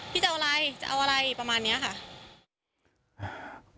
จะเอาอะไรจะเอาอะไรประมาณนี้ค่ะ